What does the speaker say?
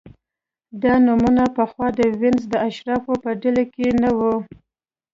دا نومونه پخوا د وینز د اشرافو په ډله کې نه وو